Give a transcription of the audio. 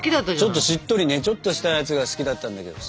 ちょっとしっとりねちょっとしたやつが好きだったんだけどさ。